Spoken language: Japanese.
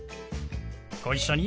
ご一緒に。